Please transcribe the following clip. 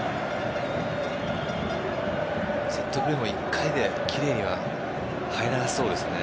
セットプレーも１回で奇麗には入らなそうですね。